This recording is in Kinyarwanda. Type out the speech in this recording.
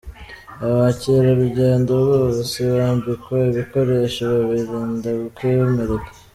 Abacyerarugendo bose bambikwa ibikoresho bibarinda gukomereka.